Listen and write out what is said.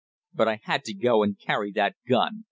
But I had to go and carry that gun!